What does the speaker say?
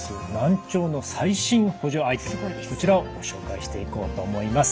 こちらをご紹介していこうと思います。